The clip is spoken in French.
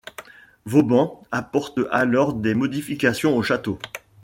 Vauban apporte alors des modifications au château.